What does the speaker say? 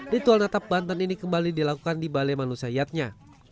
ritual natap banten ini kembali dilakukan di balai manusia yatnya